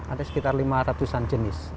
ada sekitar lima ratus an jenis